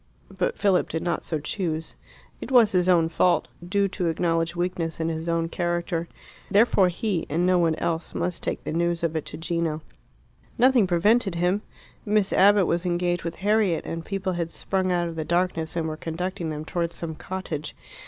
But Philip did not so choose. It was his own fault, due to acknowledged weakness in his own character. Therefore he, and no one else, must take the news of it to Gino. Nothing prevented him. Miss Abbott was engaged with Harriet, and people had sprung out of the darkness and were conducting them towards some cottage.